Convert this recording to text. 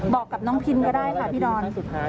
บอกกับน้องพินก็ได้ค่ะพี่ดอน